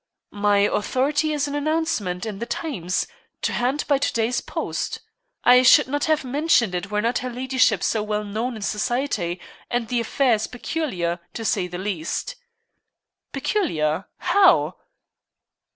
"My authority is an announcement in the Times to hand by to day's post. I should not have mentioned it were not her ladyship so well known in society, and the affair is peculiar, to say the least." "Peculiar how?"